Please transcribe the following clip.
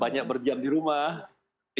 banyak berdiam di rumah